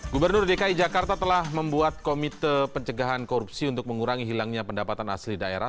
gubernur dki jakarta telah membuat komite pencegahan korupsi untuk mengurangi hilangnya pendapatan asli daerah